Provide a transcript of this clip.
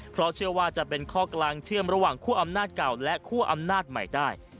เพราะเชื่อว่าจะเป็นข้อกลางเชื่อมระหว่างคั่วอำนาจเก่าและคั่วอำนาจใหม่ได้